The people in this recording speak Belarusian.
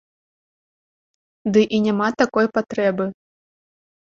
Ды і няма такой патрэбы.